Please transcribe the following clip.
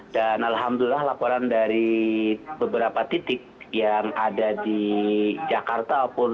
dan alhamdulillah laporan dari beberapa titik yang ada di jakarta